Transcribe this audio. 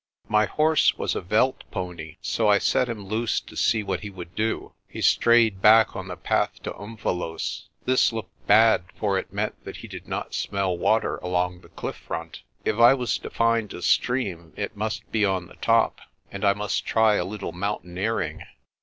My horse was a veld pony, so I set him loose to see what he would do. He strayed back on the path to Umvelos'. This looked bad, for it meant that he did not smell water along the cliff front. If I was to find a stream it must be on the top, and I must try a little mountaineering.